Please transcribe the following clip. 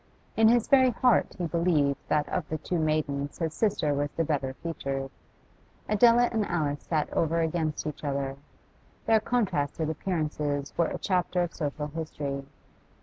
In his very heart he believed that of the two maidens his sister was the better featured. Adela and Alice sat over against each other; their contrasted appearances were a chapter of social history.